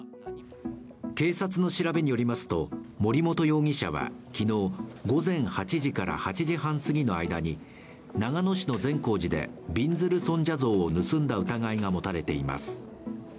警察の調べによりますと森本容疑者は昨日午前８時から８時半すぎの間に長野市の善光寺でびんずる尊者像を盗んだ疑いが持たれています。